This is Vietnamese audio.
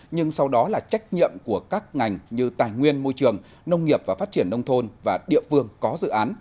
nhưng sau đó là trách nhiệm của các ngành như tài nguyên môi trường nông nghiệp và phát triển nông thôn và địa phương có dự án